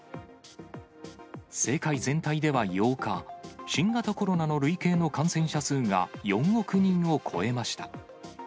世界全体では８日、新型コロナの累計の感染者数が４億人を超えました。